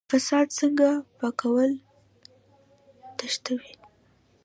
فساد څنګه پانګوال تښتوي؟